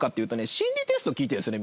心理テスト聞いてるんですよね